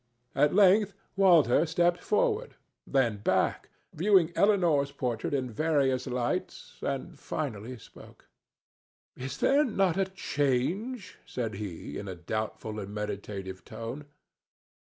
At length Walter stepped forward, then back, viewing Elinor's portrait in various lights, and finally spoke. "Is there not a change?" said he, in a doubtful and meditative tone.